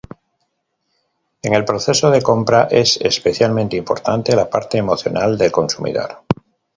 En el proceso de compra es especialmente importante la parte emocional del consumidor.